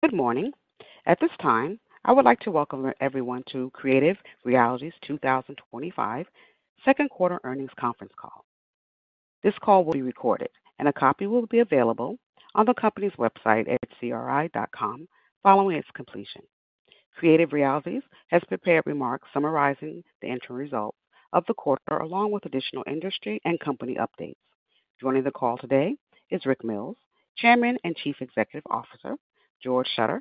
Good morning. At this time, I would like to welcome everyone to Creative Realities 2025 Second Quarter, Inc.'s second quarter earnings conference call. This call will be recorded, and a copy will be available on the company's website at CRI.com following its completion. Creative Realities, Inc. has prepared remarks summarizing the entry results of the quarter, along with additional industry and company updates. Joining the call today is Rick Mills, Chairman and Chief Executive Officer, George Sautter,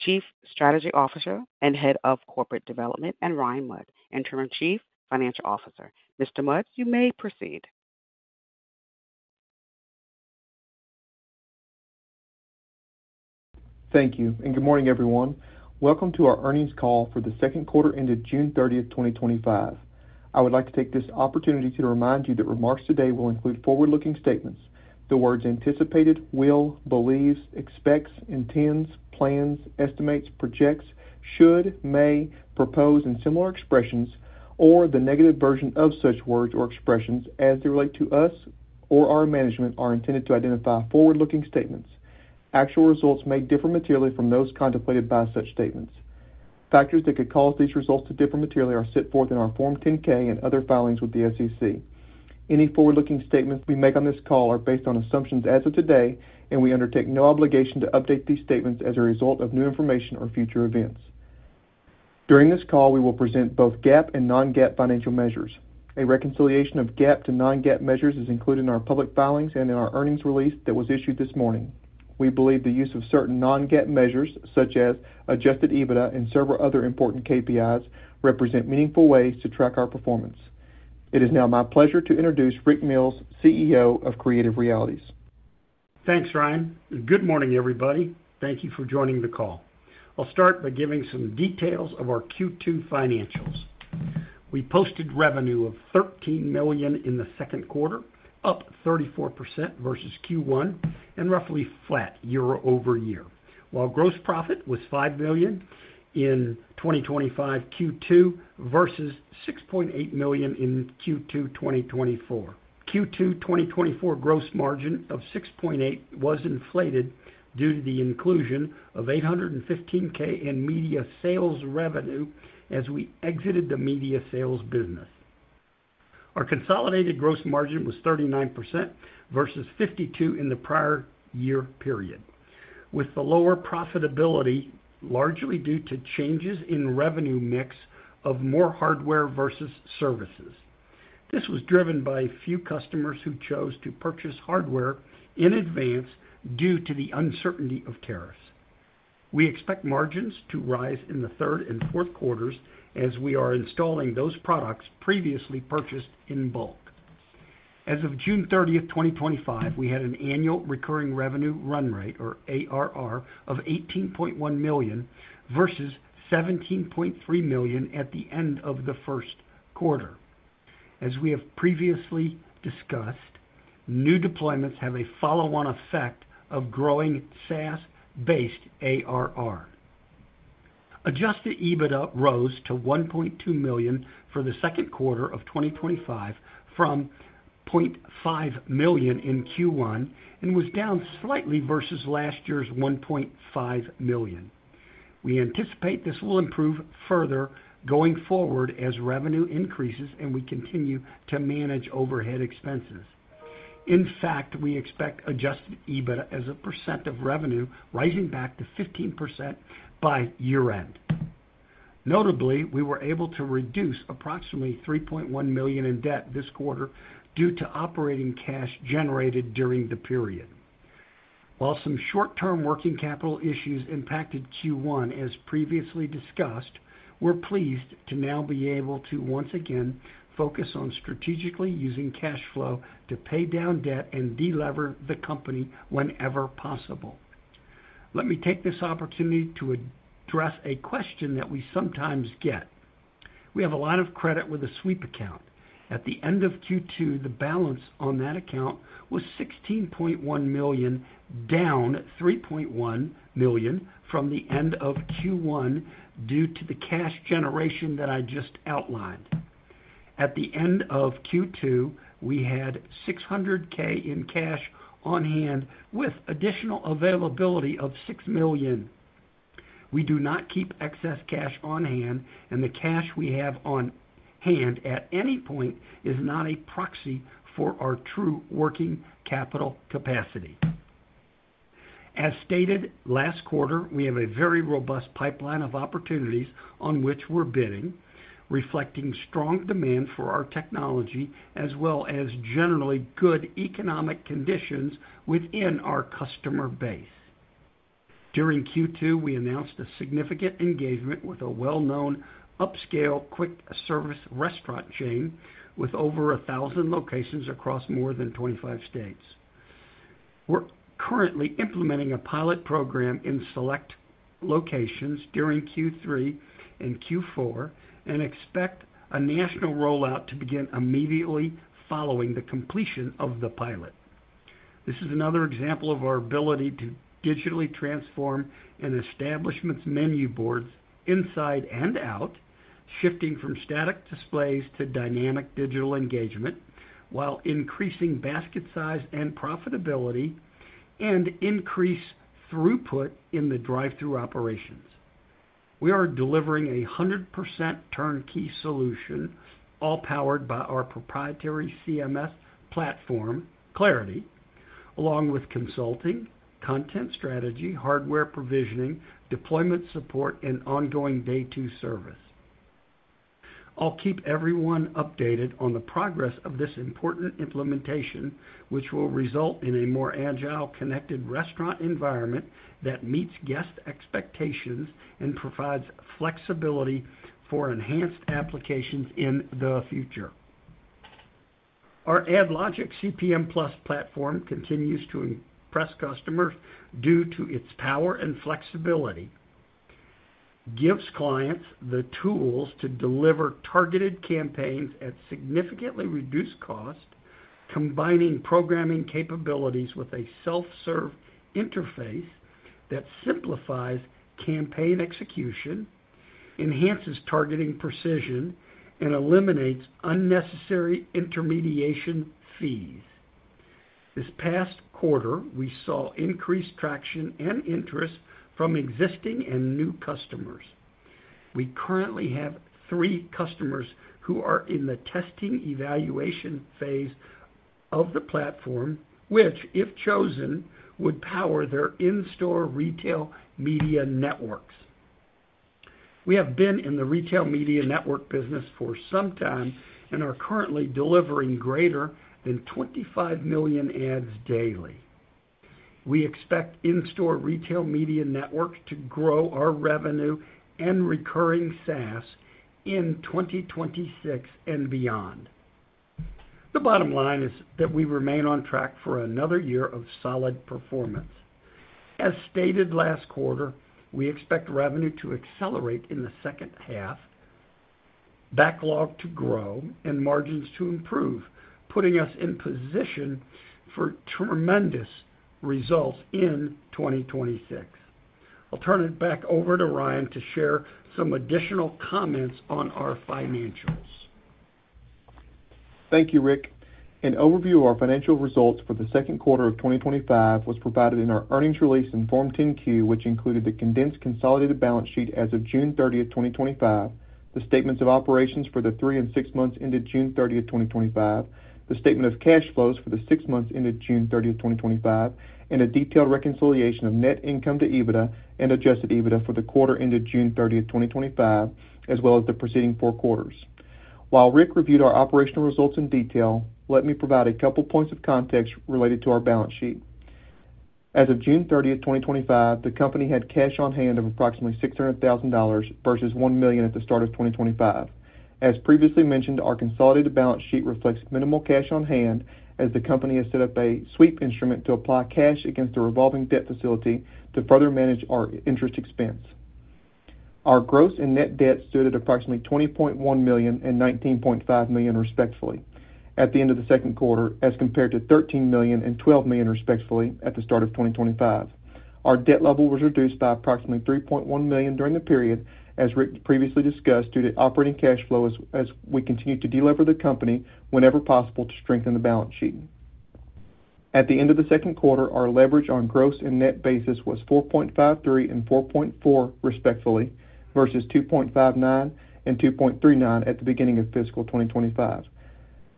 Chief Strategy Officer and Head of Corporate Development, and Ryan Mudd, Interim Chief Financial Officer. Mr. Mudd, you may proceed. Thank you, and good morning, everyone. Welcome to our earnings call for the second quarter ended June 30, 2025. I would like to take this opportunity to remind you that remarks today will include forward-looking statements. The words "anticipated," "will," "believes," "expects," "intends," "plans," "estimates," "projects," "should," "may," "propose," and similar expressions, or the negative version of such words or expressions as they relate to us or our management are intended to identify forward-looking statements. Actual results may differ materially from those contemplated by such statements. Factors that could cause these results to differ materially are set forth in our Form 10-K and other filings with the U.S. Securities and Exchange Commission. Any forward-looking statements we make on this call are based on assumptions as of today, and we undertake no obligation to update these statements as a result of new information or future events. During this call, we will present both GAAP and non-GAAP financial measures. A reconciliation of GAAP to non-GAAP measures is included in our public filings and in our earnings release that was issued this morning. We believe the use of certain non-GAAP measures, such as Adjusted EBITDA and several other important KPIs, represent meaningful ways to track our performance. It is now my pleasure to introduce Rick Mills, CEO of Creative Realities. Thanks, Ryan. Good morning, everybody. Thank you for joining the call. I'll start by giving some details of our Q2 financials. We posted revenue of $13 million in the second quarter, up 34% versus Q1, and roughly flat year-over-year, while gross profit was $5 million in 2025 Q2 versus $6.8 million in Q2 2024. Q2 2024 gross margin of $6.8 million was inflated due to the inclusion of $815,000 in media sales revenue as we exited the media sales business. Our consolidated gross margin was 39% versus 52% in the prior year period, with the lower profitability largely due to changes in revenue mix of more hardware versus services. This was driven by few customers who chose to purchase hardware in advance due to the uncertainty of tariffs. We expect margins to rise in the third and fourth quarters as we are installing those products previously purchased in bulk. As of June 30, 2025, we had an annual recurring revenue run rate, or ARR, of $18.1 million versus $17.3 million at the end of the first quarter. As we have previously discussed, new deployments have a follow-on effect of growing SaaS-based ARR. Adjusted EBITDA rose to $1.2 million for the second quarter of 2025 from $500,000 in Q1 and was down slightly versus last year's $1.5 million. We anticipate this will improve further going forward as revenue increases and we continue to manage overhead expenses. In fact, we expect adjusted EBITDA as a percent of revenue rising back to 15% by year-end. Notably, we were able to reduce approximately $3.1 million in debt this quarter due to operating cash generated during the period. While some short-term working capital issues impacted Q1, as previously discussed, we're pleased to now be able to once again focus on strategically using cash flow to pay down debt and delever the company whenever possible. Let me take this opportunity to address a question that we sometimes get. We have a lot of credit with a sweep account. At the end of Q2, the balance on that account was $16.1 million, down $3.1 million from the end of Q1 due to the cash generation that I just outlined. At the end of Q2, we had $600,000 in cash on hand with additional availability of $6 million. We do not keep excess cash on hand, and the cash we have on hand at any point is not a proxy for our true working capital capacity. As stated last quarter, we have a very robust pipeline of opportunities on which we're bidding, reflecting strong demand for our technology as well as generally good economic conditions within our customer base. During Q2, we announced a significant engagement with a well-known upscale quick-service restaurant chain with over 1,000 locations across more than 25 states. We're currently implementing a pilot program in select locations during Q3 and Q4 and expect a national rollout to begin immediately following the completion of the pilot. This is another example of our ability to digitally transform an establishment's menu boards inside and out, shifting from static displays to dynamic digital engagement while increasing basket size and profitability and increased throughput in the drive-thru operations. We are delivering a 100% turnkey solution, all powered by our proprietary CMS platform, Clarity, along with consulting, content strategy, hardware provisioning, deployment support, and ongoing day-two service. I'll keep everyone updated on the progress of this important implementation, which will result in a more agile, connected restaurant environment that meets guest expectations and provides flexibility for enhanced applications in the future. Our AdLogic CPM+ platform continues to impress customers due to its power and flexibility. It gives clients the tools to deliver targeted campaigns at significantly reduced cost, combining programming capabilities with a self-serve interface that simplifies campaign execution, enhances targeting precision, and eliminates unnecessary intermediation fees. This past quarter, we saw increased traction and interest from existing and new customers. We currently have three customers who are in the testing evaluation phase of the platform, which, if chosen, would power their in-store retail media networks. We have been in the retail media network business for some time and are currently delivering greater than 25 million ads daily. We expect in-store retail media networks to grow our revenue and recurring SaaS in 2026 and beyond. The bottom line is that we remain on track for another year of solid performance. As stated last quarter, we expect revenue to accelerate in the second half, backlog to grow, and margins to improve, putting us in position for tremendous results in 2026. I'll turn it back over to Ryan to share some additional comments on our financials. Thank you, Rick. An overview of our financial results for the second quarter of 2025 was provided in our earnings release in Form 10-Q, which included the condensed consolidated balance sheet as of June 30th, 2025, the statements of operations for the three and six months ended June 30th, 2025, the statement of cash flows for the six months ended June 30th, 2025, and a detailed reconciliation of net income to EBITDA and adjusted EBITDA for the quarter ended June 30th, 2025, as well as the preceding four quarters. While Rick reviewed our operational results in detail, let me provide a couple of points of context related to our balance sheet. As of June 30th, 2025, the company had cash on hand of approximately $600,000 versus $1 million at the start of 2025. As previously mentioned, our consolidated balance sheet reflects minimal cash on hand as the company has set up a sweep instrument to apply cash against the revolving debt facility to further manage our interest expense. Our gross and net debt stood at approximately $20.1 million and $19.5 million, respectively, at the end of the second quarter, as compared to $13 million and $12 million, respectively, at the start of 2025. Our debt level was reduced by approximately $3.1 million during the period, as Rick previously discussed, due to operating cash flow as we continue to delever the company whenever possible to strengthen the balance sheet. At the end of the second quarter, our leverage on gross and net basis was 4.53% and 4.4%, respectively, versus 2.59% and 2.39% at the beginning of fiscal 2025.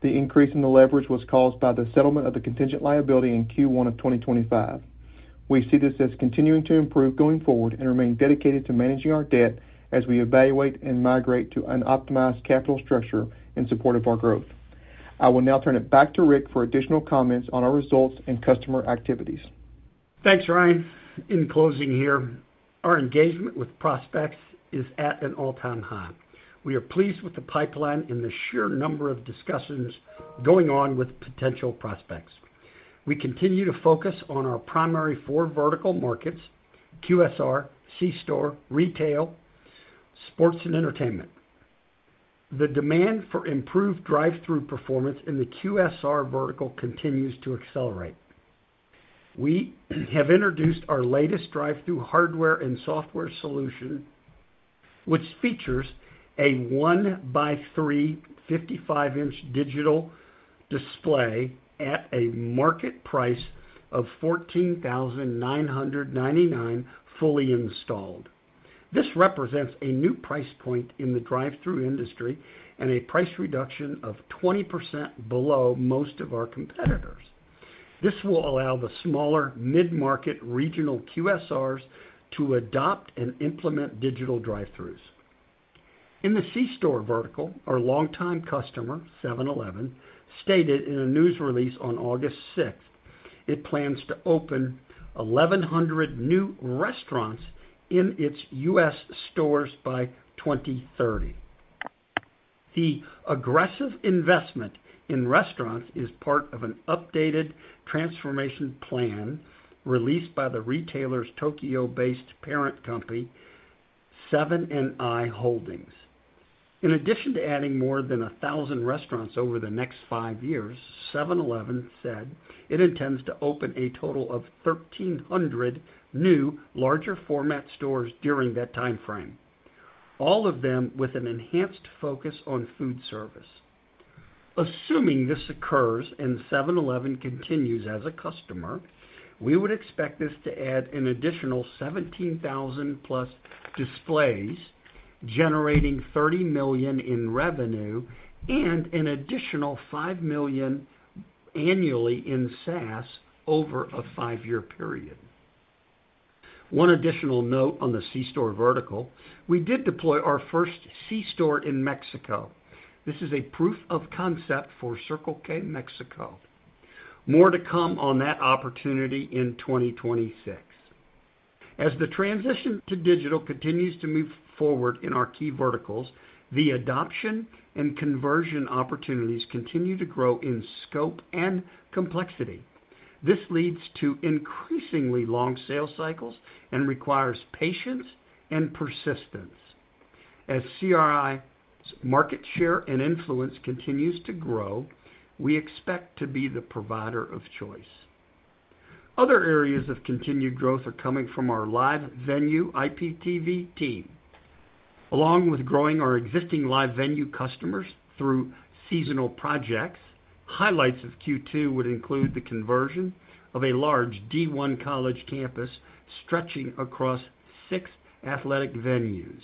The increase in the leverage was caused by the settlement of the contingent liability in Q1 of 2025. We see this as continuing to improve going forward and remain dedicated to managing our debt as we evaluate and migrate to an optimized capital structure in support of our growth. I will now turn it back to Rick for additional comments on our results and customer activities. Thanks, Ryan. In closing here, our engagement with prospects is at an all-time high. We are pleased with the pipeline and the sheer number of discussions going on with potential prospects. We continue to focus on our primary four vertical markets: QSR, C-store, retail, sports and entertainment. The demand for improved drive-through performance in the QSR vertical continues to accelerate. We have introduced our latest drive-through hardware and software solution, which features a 1x3 55-inch digital display at a market price of $14,999 fully installed. This represents a new price point in the drive-through industry and a price reduction of 20% below most of our competitors. This will allow the smaller mid-market regional QSRs to adopt and implement digital drive-throughs. In the C-store vertical, our longtime customer, 7-Eleven, stated in a news release on August 6, it plans to open 1,100 new restaurants in its U.S. stores by 2030. The aggressive investment in restaurants is part of an updated transformation plan released by the retailer's Tokyo-based parent company, Seven & i Holdings. In addition to adding more than 1,000 restaurants over the next five years, 7-Eleven said it intends to open a total of 1,300 new larger format stores during that timeframe, all of them with an enhanced focus on food service. Assuming this occurs and 7-Eleven continues as a customer, we would expect this to add an additional 17,000 plus displays, generating $30 million in revenue and an additional $5 million annually in SaaS over a five-year period. One additional note on the C-store vertical, we did deploy our first C-store in Mexico. This is a proof of concept for Circle K Mexico. More to come on that opportunity in 2026. As the transition to digital continues to move forward in our key verticals, the adoption and conversion opportunities continue to grow in scope and complexity. This leads to increasingly long sales cycles and requires patience and persistence. As CRI's market share and influence continues to grow, we expect to be the provider of choice. Other areas of continued growth are coming from our live venue IPTV team. Along with growing our existing live venue customers through seasonal projects, highlights of Q2 would include the conversion of a large D1 college campus stretching across six athletic venues,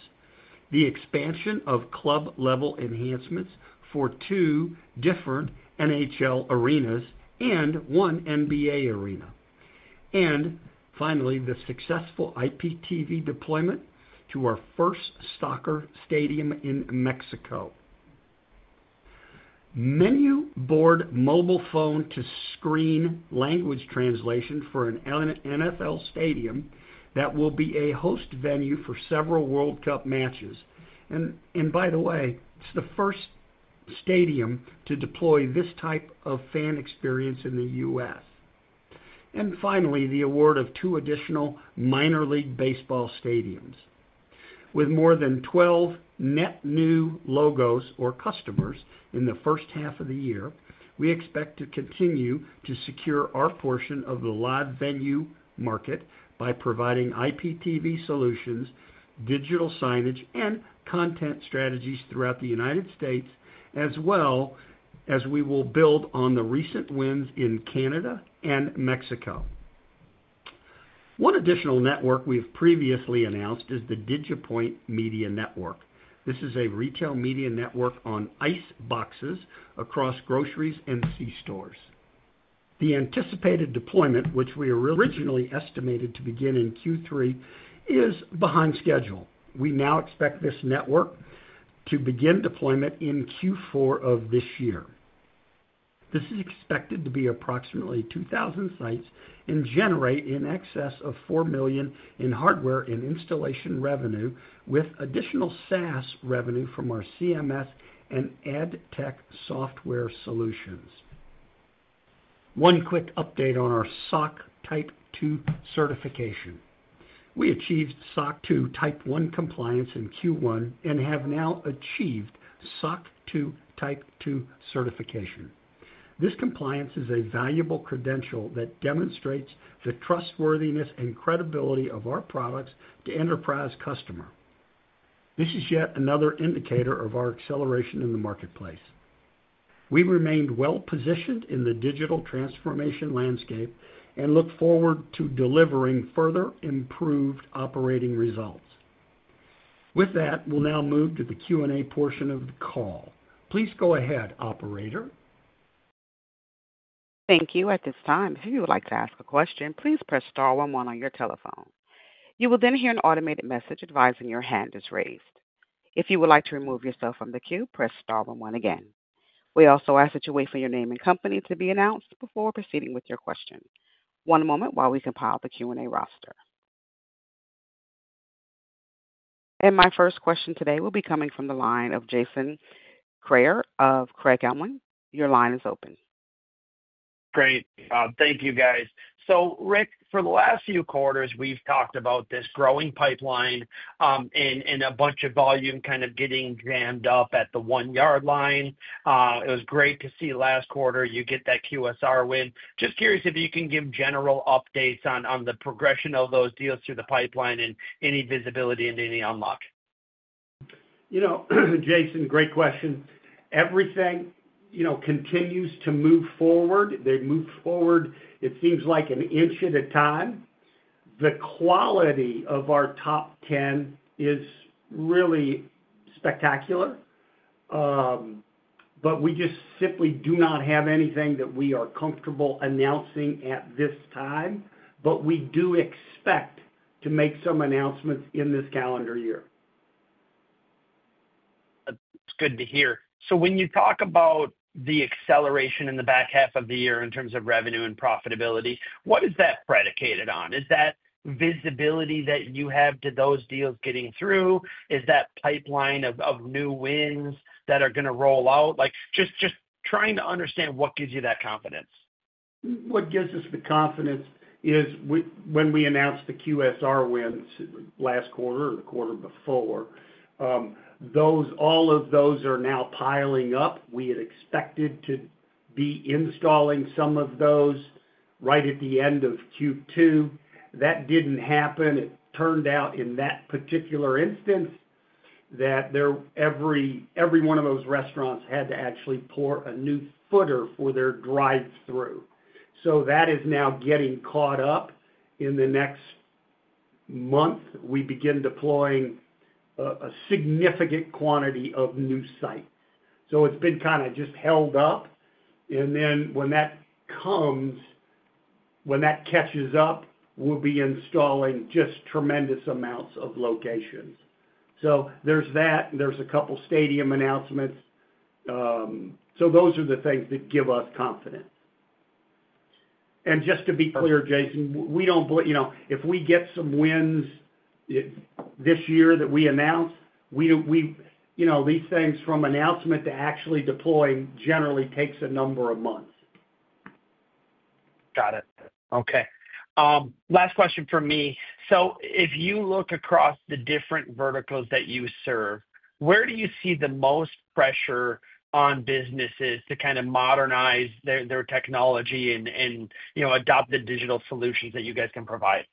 the expansion of club-level enhancements for two different NHL arenas and one NBA arena, and finally, the successful IPTV deployment to our first soccer stadium in Mexico. Menu board mobile phone-to-screen language translation for an NFL stadium that will be a host venue for several World Cup matches. By the way, it's the first stadium to deploy this type of fan experience in the U.S. Finally, the award of two additional minor league baseball stadiums. With more than 12 net new logos or customers in the first half of the year, we expect to continue to secure our portion of the live venue market by providing IPTV solutions, digital signage, and content strategies throughout the United States, as well as we will build on the recent wins in Canada and Mexico. One additional network we have previously announced is the Digi Point Media Network. This is a retail media network on ice boxes across groceries and C-stores. The anticipated deployment, which we originally estimated to begin in Q3, is behind schedule. We now expect this network to begin deployment in Q4 of this year. This is expected to be approximately 2,000 sites and generate in excess of $4 million in hardware and installation revenue, with additional SaaS revenue from our CMS and AdTech software solutions. One quick update on our SOC 2 Type 2 certification. We achieved SOC 2 Type 1 compliance in Q1 and have now achieved SOC 2 Type 2 certification. This compliance is a valuable credential that demonstrates the trustworthiness and credibility of our products to enterprise customers. This is yet another indicator of our acceleration in the marketplace. We've remained well positioned in the digital transformation landscape and look forward to delivering further improved operating results. With that, we'll now move to the Q&A portion of the call. Please go ahead, operator. Thank you. At this time, if you would like to ask a question, please press star one-one on your telephone. You will then hear an automated message advising your hand is raised. If you would like to remove yourself from the queue, press star one-one again. We also ask that you wait for your name and company to be announced before proceeding with your question. One moment while we compile the Q&A roster. My first question today will be coming from the line of Jason Kreyer of Craig-Hallum. Your line is open. Great. Thank you, guys. Rick, for the last few quarters, we've talked about this growing pipeline, and a bunch of volume kind of getting jammed up at the one-yard line. It was great to see last quarter you get that QSR win. Just curious if you can give general updates on the progression of those deals through the pipeline and any visibility into any unlock. Jason, great question. Everything continues to move forward. They move forward, it seems like, an inch at a time. The quality of our top 10 is really spectacular. We just simply do not have anything that we are comfortable announcing at this time. We do expect to make some announcements in this calendar year. That's good to hear. When you talk about the acceleration in the back half of the year in terms of revenue and profitability, what is that predicated on? Is that visibility that you have to those deals getting through? Is that pipeline of new wins that are going to roll out? Just trying to understand what gives you that confidence. What gives us the confidence is when we announced the QSR wins last quarter or the quarter before, all of those are now piling up. We had expected to be installing some of those right at the end of Q2. That did not happen. It turned out in that particular instance that every one of those restaurants had to actually pour a new footer with their drive-thru. That is now getting caught up. In the next month, we begin deploying a significant quantity of new sites. It has been kind of just held up. When that catches up, we will be installing just tremendous amounts of locations. There is that, and there are a couple of stadium announcements. Those are the things that give us confidence. Just to be clear, Jason, if we get some wins this year that we announce, these things from announcement to actually deploying generally take a number of months. Got it. Okay. Last question from me. If you look across the different verticals that you serve, where do you see the most pressure on businesses to kind of modernize their technology and, you know, adopt the digital solutions that you guys can provide?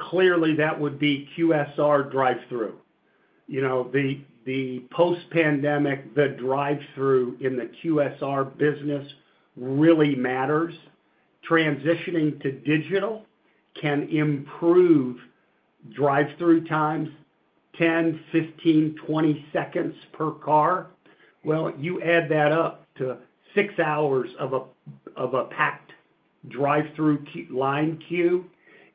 Clearly, that would be QSR drive-through. The post-pandemic, the drive-through in the QSR business really matters. Transitioning to digital can improve drive-through times, 10, 15, 20 seconds per car. You add that up to six hours of a packed drive-through line queue,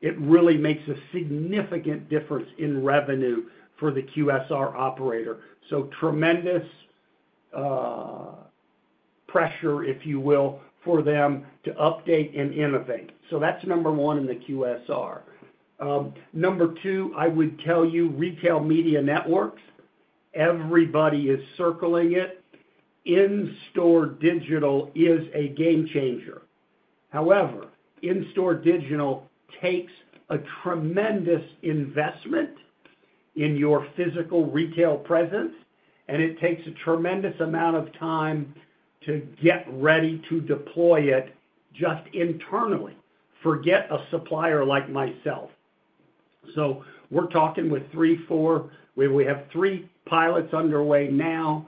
it really makes a significant difference in revenue for the QSR operator. There is tremendous pressure, if you will, for them to update and innovate. That's number one in the QSR. Number two, I would tell you, retail media networks, everybody is circling it. In-store digital is a game changer. However, in-store digital takes a tremendous investment in your physical retail presence, and it takes a tremendous amount of time to get ready to deploy it just internally. Forget a supplier like myself. We're talking with three, four. We have three pilots underway now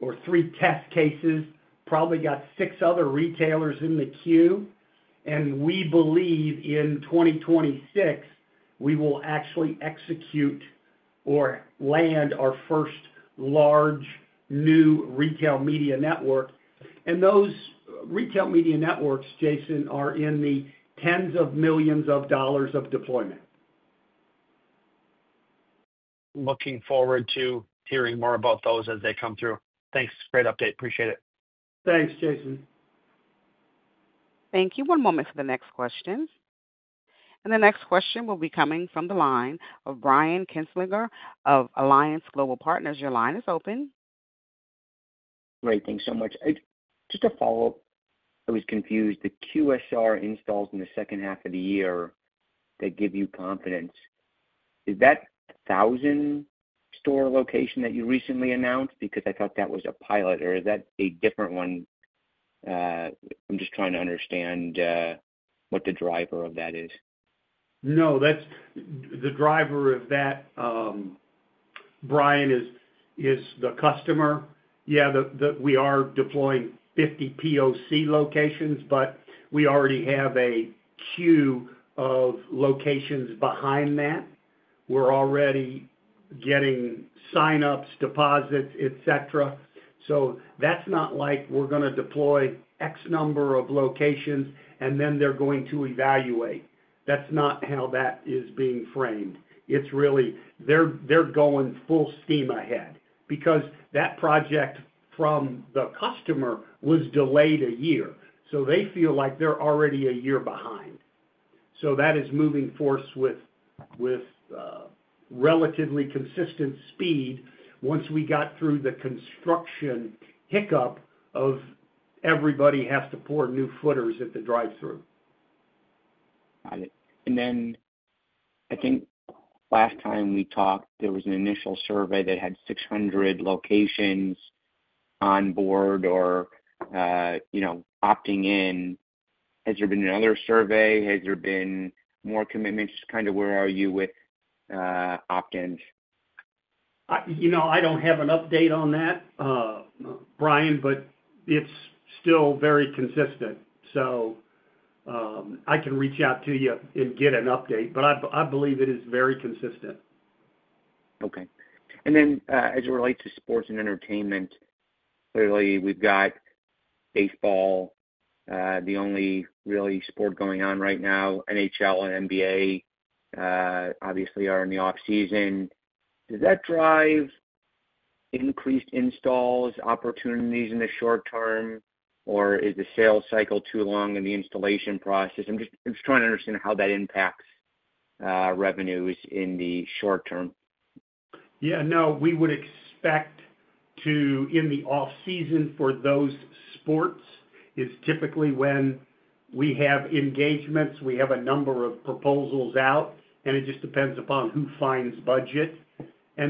or three test cases. Probably got six other retailers in the queue. We believe in 2026, we will actually execute or land our first large new retail media network. Those retail media networks, Jason, are in the tens of millions of dollars of deployment. Looking forward to hearing more about those as they come through. Thanks. Great update. Appreciate it. Thanks, Jason. Thank you. One moment for the next question. The next question will be coming from the line of Brian Kinstlinger of Alliance Global Partners. Your line is open. Great. Thanks so much. Just a follow-up. I was confused. The QSR installs in the second half of the year that give you confidence, is that 1,000-store location that you recently announced? Because I thought that was a pilot, or is that a different one? I'm just trying to understand what the driver of that is. No, that's the driver of that, Brian, is the customer. Yeah, that we are deploying 50 POC locations, but we already have a queue of locations behind that. We're already getting sign-ups, deposits, etc. That's not like we're going to deploy X number of locations, and then they're going to evaluate. That's not how that is being framed. It's really they're going full steam ahead because that project from the customer was delayed a year. They feel like they're already a year behind. That is moving forth with relatively consistent speed once we got through the construction hiccup of everybody has to pour new footers at the drive-thru. Got it. I think last time we talked, there was an initial survey that had 600 locations on board or, you know, opting in. Has there been another survey? Has there been more commitments? Just kind of where are you with opt-ins? I don't have an update on that, Brian, but it's still very consistent. I can reach out to you and get an update, but I believe it is very consistent. Okay. As it relates to sports and entertainment, clearly, we've got baseball, the only really sport going on right now. NHL and NBA, obviously, are in the off-season. Does that drive increased installs, opportunities in the short-term, or is the sales cycle too long in the installation process? I'm just trying to understand how that impacts revenues in the short-term. Yeah. No, we would expect to, in the off-season for those sports, it's typically when we have engagements. We have a number of proposals out, and it just depends upon who finds budget.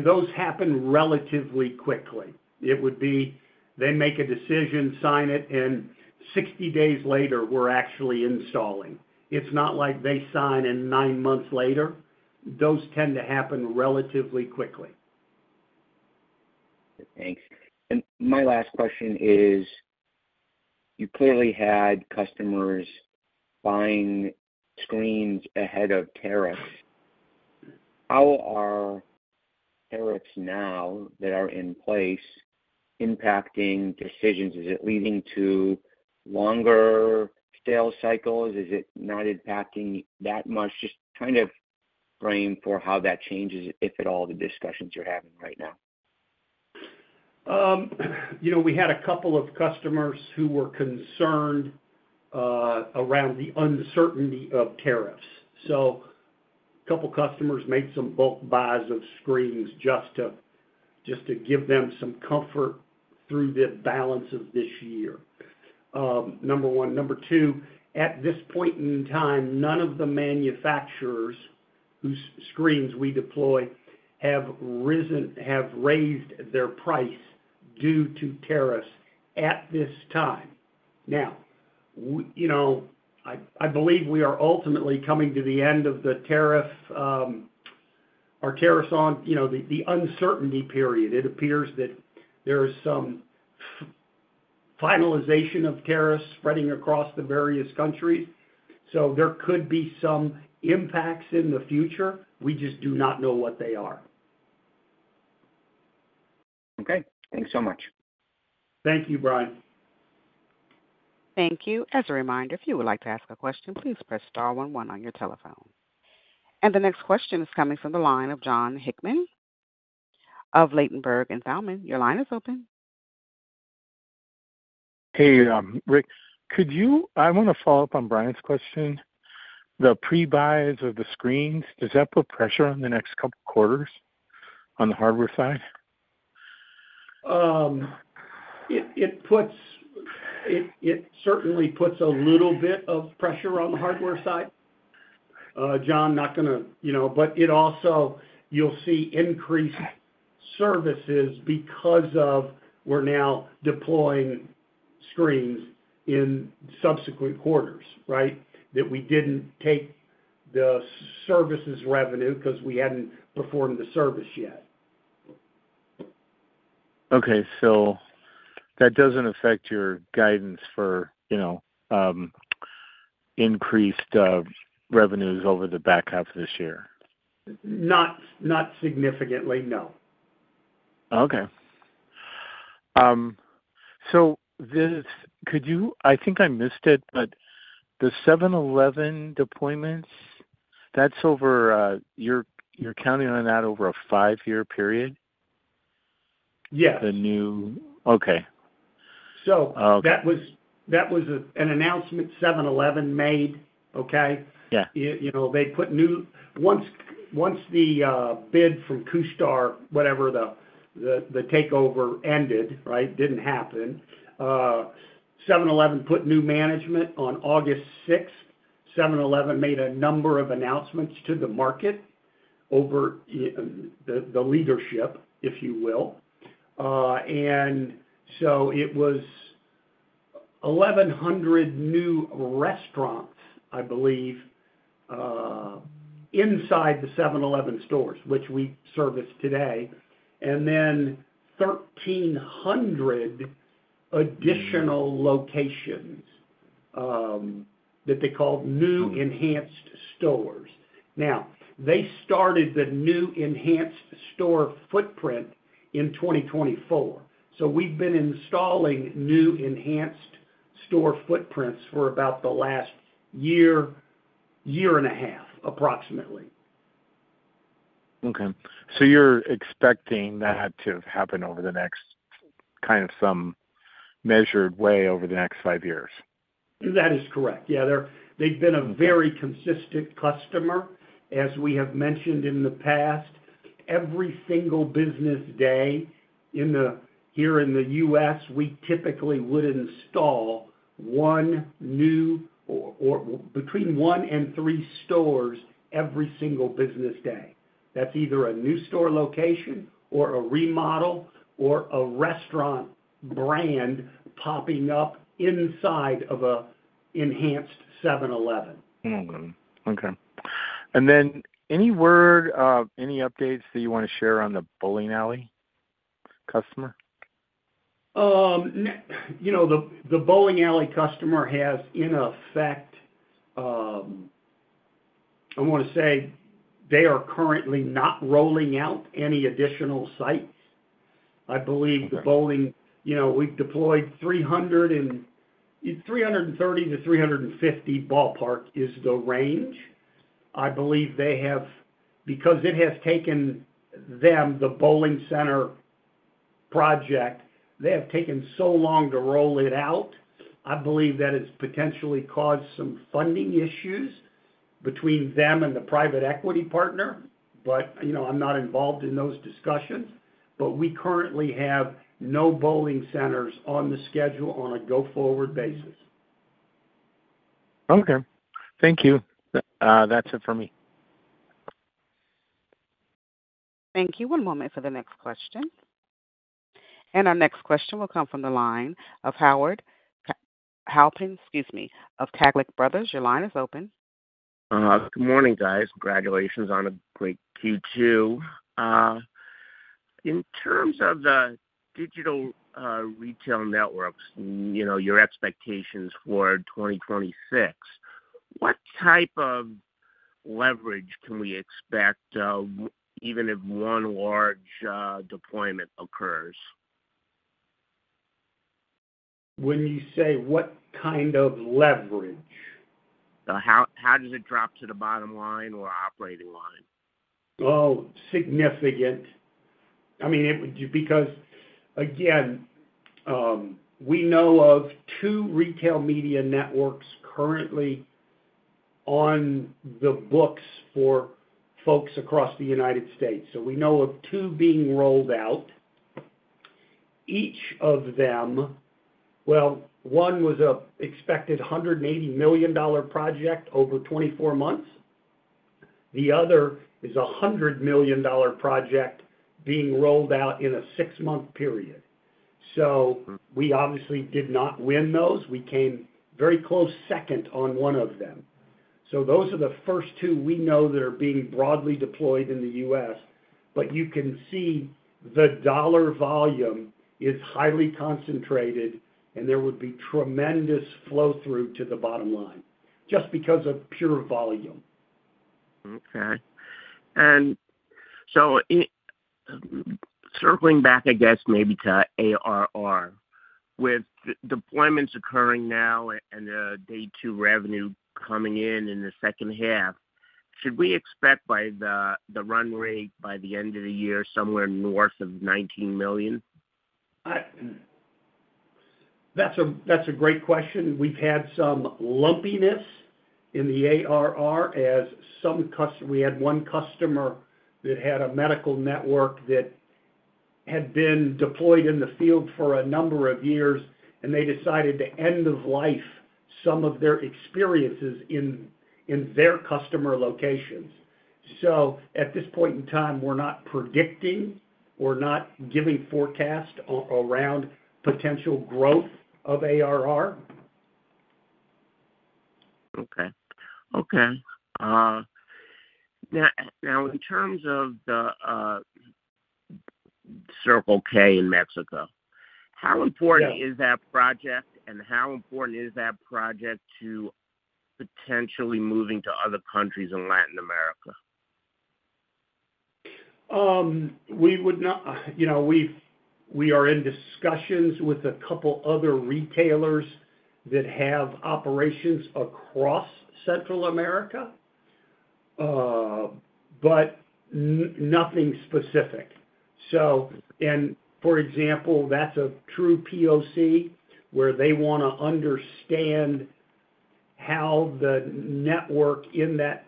Those happen relatively quickly. It would be they make a decision, sign it, and 60 days later, we're actually installing. It's not like they sign and nine months later. Those tend to happen relatively quickly. Thanks. My last question is, you clearly had customers buying screens ahead of tariffs. How are tariffs now that are in place impacting decisions? Is it leading to longer sales cycles? Is it not impacting that much? Just kind of frame for how that changes, if at all, the discussions you're having right now. We had a couple of customers who were concerned around the uncertainty of tariffs. A couple of customers made some bulk buys of screens just to give them some comfort through the balance of this year. Number one. Number two, at this point in time, none of the manufacturers whose screens we deploy have raised their price due to tariffs at this time. I believe we are ultimately coming to the end of our tariffs on the uncertainty period. It appears that there's some finalization of tariffs spreading across the various countries. There could be some impacts in the future. We just do not know what they are. Okay, thanks so much. Thank you, Brian. Thank you. As a reminder, if you would like to ask a question, please press star one-one on your telephone. The next question is coming from the line of Jon Hickman of Ladenburg Thalmann. Your line is open. Hey, Rick. Could you, I want to follow up on Brian's question. The pre-buys of the screens, does that put pressure on the next couple of quarters on the hardware side? It certainly puts a little bit of pressure on the hardware side, Jon, but it also, you'll see increased services because we're now deploying screens in subsequent quarters, right, that we didn't take the services revenue because we hadn't performed the service yet. Okay. That doesn't affect your guidance for, you know, increased revenues over the back half of this year? Not significantly, no. Okay. Could you, I think I missed it, but the 7-Eleven deployments, that's over, you're counting on that over a five-year period? Yes. The new, okay. That was an announcement 7-Eleven made, okay? Yeah. You know, they put new, once the bid from [Qstar], whatever the takeover ended, right, didn't happen. 7-Eleven put new management on August 6. 7-Eleven made a number of announcements to the market over the leadership, if you will. It was 1,100 new restaurants, I believe, inside the 7-Eleven stores, which we service today, and then 1,300 additional locations that they called new enhanced stores. They started the new enhanced store footprint in 2024. We've been installing new enhanced store footprints for about the last year, year and a half, approximately. Okay, you're expecting that to happen in a measured way over the next five years? That is correct. They've been a very consistent customer. As we have mentioned in the past, every single business day here in the U.S., we typically would install between one and three stores every single business day. That's either a new store location, a remodel, or a restaurant brand popping up inside of an enhanced 7-Eleven. Okay. Any updates that you want to share on the bowling alley customer? The bowling alley customer has, in effect, I want to say they are currently not rolling out any additional sites. I believe the bowling, you know, we've deployed 300 and it's 330-350 ballpark is the range. I believe they have, because it has taken them, the bowling center project, they have taken so long to roll it out. I believe that has potentially caused some funding issues between them and the private equity partner. I'm not involved in those discussions, but we currently have no bowling centers on the schedule on a go-forward basis. Okay. Thank you. That's it for me. Thank you. One moment for the next question. Our next question will come from the line of Howard Halpern of Taglich Brothers. Your line is open. Good morning, guys. Congratulations on a great Q2. In terms of the digital retail networks, you know, your expectations for 2026, what type of leverage can we expect even if one large deployment occurs? When you say what kind of leverage? How does it drop to the bottom line or operating line? Oh, significant. I mean, it would because, again, we know of two retail media networks currently on the books for folks across the United States. We know of two being rolled out. Each of them, well, one was an expected $180 million project over 24 months. The other is a $100 million project being rolled out in a six-month period. We obviously did not win those. We came very close second on one of them. These are the first two we know that are being broadly deployed in the U.S. You can see the dollar volume is highly concentrated, and there would be tremendous flow-through to the bottom line just because of pure volume. Okay. Circling back, I guess, maybe to ARR, with deployments occurring now and the day-two revenue coming in in the second half, should we expect by the run rate by the end of the year somewhere north of $19 million? That's a great question. We've had some lumpiness in the ARR as some customers, we had one customer that had a medical network that had been deployed in the field for a number of years, and they decided to end of life some of their experiences in their customer locations. At this point in time, we're not predicting. We're not giving forecasts around potential growth of ARR. Okay. Now, in terms of the Circle K Mexico, how important is that project and how important is that project to potentially moving to other countries in Latin America? We are in discussions with a couple of other retailers that have operations across Central America, but nothing specific. For example, that's a true POC where they want to understand how the network in that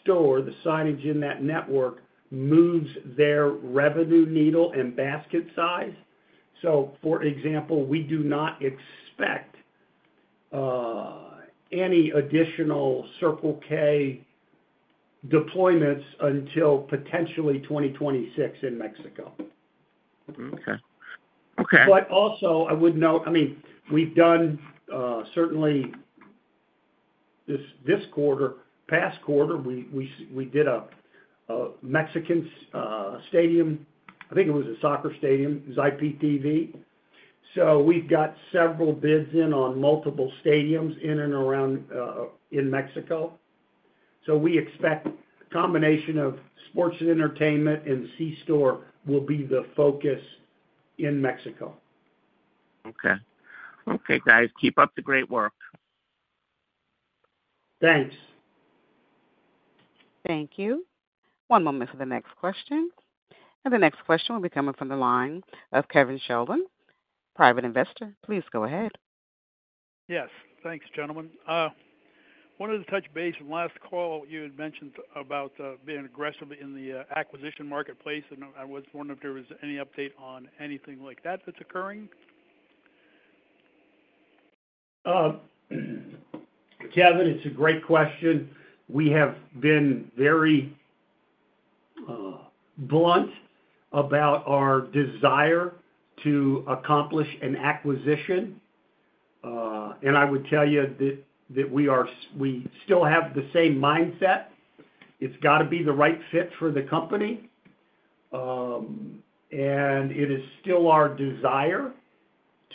store, the signage in that network moves their revenue needle and basket size. For example, we do not expect any additional Circle K deployments until potentially 2026 in Mexico. Okay. Okay. I would note, I mean, we've done certainly this quarter, past quarter, we did a Mexican stadium. I think it was a soccer stadium, IPTV. We've got several bids in on multiple stadiums in and around Mexico. We expect a combination of sports and entertainment and C-store will be the focus in Mexico. Okay. Okay, guys. Keep up the great work. Thanks. Thank you. One moment for the next question. The next question will be coming from the line of Kevin Sheldon, private investor. Please go ahead. Yes. Thanks, gentlemen. One of the touch bases from last call, you had mentioned about being aggressive in the acquisition marketplace, and I was wondering if there was any update on anything like that that's occurring. Kevin, it's a great question. We have been very blunt about our desire to accomplish an acquisition. I would tell you that we still have the same mindset. It's got to be the right fit for the company. It is still our desire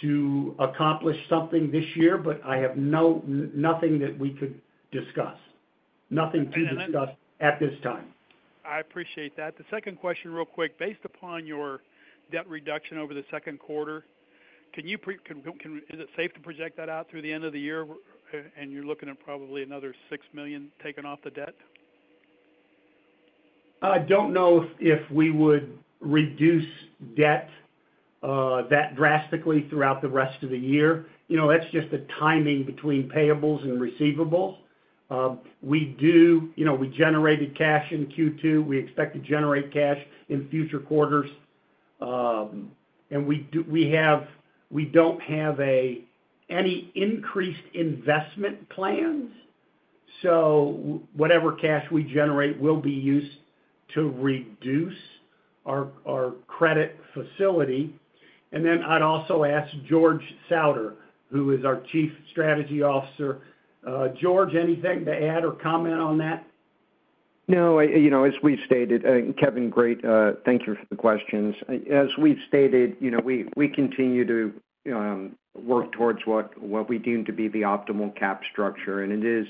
to accomplish something this year, but I have nothing that we could discuss. Nothing to discuss at this time. I appreciate that. The second question real quick. Based upon your debt reduction over the second quarter, is it safe to project that out through the end of the year and you're looking at probably another $6 million taken off the debt? I don't know if we would reduce debt that drastically throughout the rest of the year. That's just the timing between payables and receivables. We generated cash in Q2. We expect to generate cash in future quarters. We don't have any increased investment plans. Whatever cash we generate will be used to reduce our credit facility. I'd also ask George Sautter, who is our Chief Strategy Officer. George, anything to add or comment on that? No. As we've stated, Kevin, great. Thank you for the questions. As we've stated, we continue to work towards what we deem to be the optimal capital structure. It is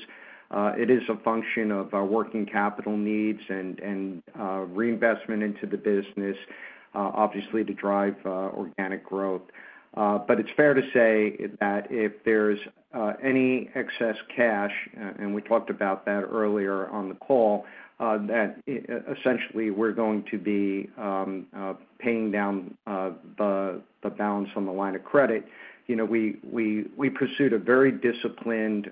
a function of working capital needs and reinvestment into the business, obviously, to drive organic growth. It's fair to say that if there's any excess cash, and we talked about that earlier on the call, that essentially we're going to be paying down the balance on the line of credit. We pursued a very disciplined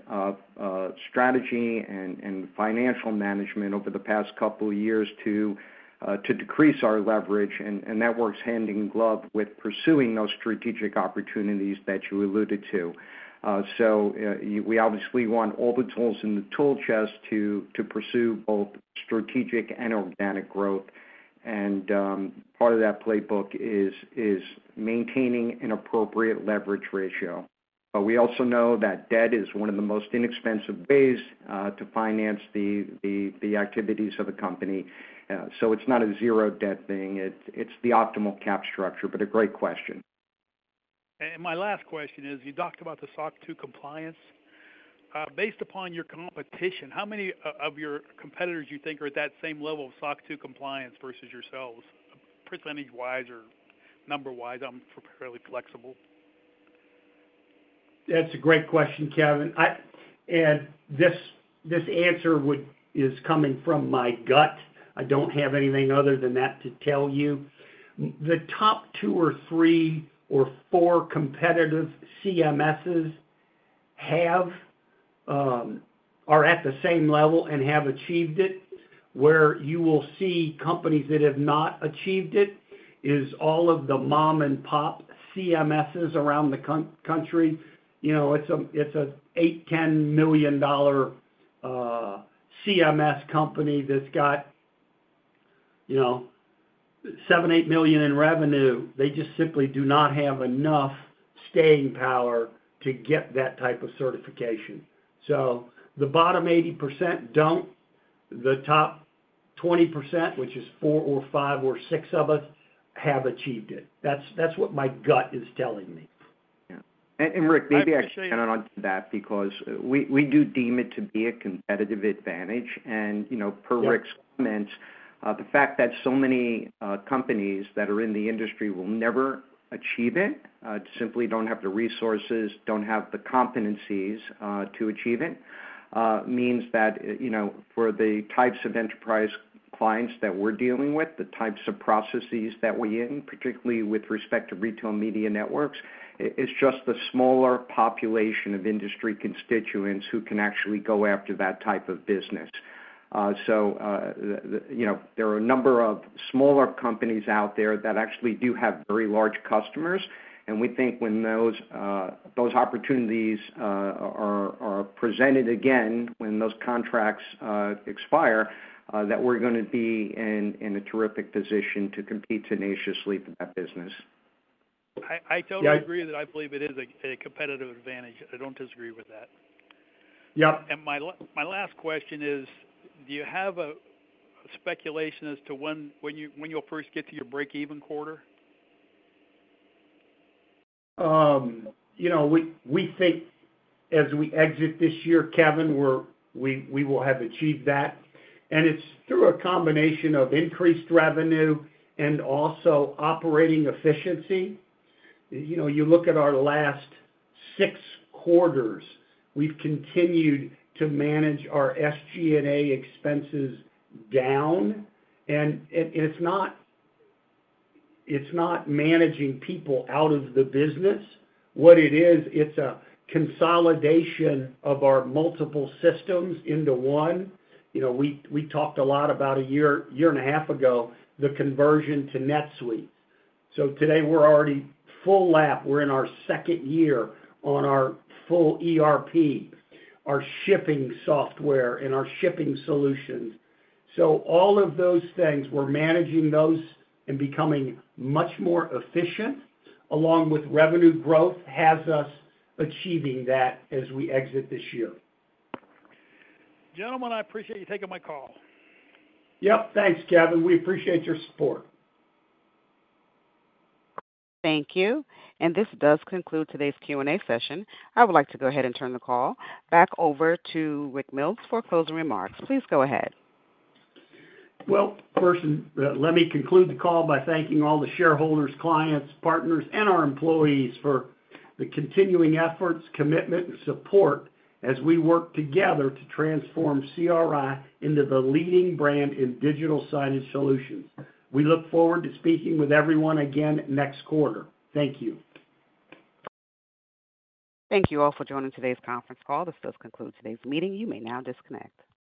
strategy and financial management over the past couple of years to decrease our leverage. That works hand in glove with pursuing those strategic opportunities that you alluded to. We obviously want all the tools in the tool chest to pursue both strategic and organic growth. Part of that playbook is maintaining an appropriate leverage ratio. We also know that debt is one of the most inexpensive ways to finance the activities of a company. It's not a zero-debt thing. It's the optimal cap structure, but a great question. My last question is, you talked about the SOC 2 compliance. Based upon your competition, how many of your competitors do you think are at that same level of SOC 2 compliance versus yourselves, percentage-wise or number-wise? I'm fairly flexible. That's a great question, Kevin. This answer is coming from my gut. I don't have anything other than that to tell you. The top two, three, or four competitive CMSs are at the same level and have achieved it. Where you will see companies that have not achieved it is all of the mom-and-pop CMSs around the country. You know, it's an $8 million-$10 million CMS company that's got $7 million-$8 million in revenue. They just simply do not have enough staying power to get that type of certification. The bottom 80% don't. The top 20%, which is four, five, or six of us, have achieved it. That's what my gut is telling me. Yeah. Rick, maybe I can chime in on that because we do deem it to be a competitive advantage. You know, per Rick's comments, the fact that so many companies that are in the industry will never achieve it, simply don't have the resources, don't have the competencies to achieve it, means that for the types of enterprise clients that we're dealing with, the types of processes that we're in, particularly with respect to retail media networks, it's just the smaller population of industry constituents who can actually go after that type of business. There are a number of smaller companies out there that actually do have very large customers. We think when those opportunities are presented again, when those contracts expire, that we're going to be in a terrific position to compete tenaciously for that business. I totally agree that I believe it is a competitive advantage. I don't disagree with that. Yep. My last question is, do you have a speculation as to when you'll first get to your break-even quarter? You know, we think as we exit this year, Kevin, we will have achieved that. It's through a combination of increased revenue and also operating efficiency. You know, you look at our last six quarters, we've continued to manage our SG&A expenses down. It's not managing people out of the business. What it is, it's a consolidation of our multiple systems into one. You know, we talked a lot about a year, year and a half ago, the conversion to NetSuite. Today, we're already full-app. We're in our second year on our full ERP, our shipping software, and our shipping solutions. All of those things, we're managing those and becoming much more efficient, along with revenue growth, has us achieving that as we exit this year. Gentlemen, I appreciate you taking my call. Yep. Thanks, Kevin. We appreciate your support. Thank you. This does conclude today's Q&A session. I would like to go ahead and turn the call back over to Rick Mills for closing remarks. Please go ahead. Let me conclude the call by thanking all the shareholders, clients, partners, and our employees for the continuing efforts, commitment, and support as we work together to transform CRI into the leading brand in digital signage solutions. We look forward to speaking with everyone again next quarter. Thank you. Thank you all for joining today's conference call. This does conclude today's meeting. You may now disconnect.